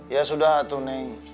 ya sudah tuh neng